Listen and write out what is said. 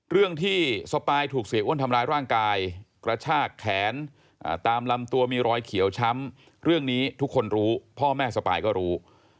เรื่องที่สปายถูกเสียอ้วนทำร้ายร่างกายกระชากแขนตามลำตัวมีรอยเขียวช้ำเรื่องนี้ทุกคนรู้พ่อแม่สปายก็รู้